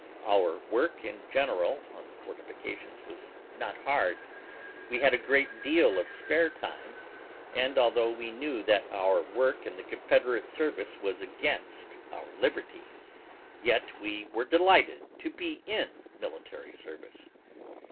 Our work in general on the fortifications was not hard, we had a great deal of spare time, and although we knew that our work in the Confederate service was against our liberty, yet we were delighted to be in military service.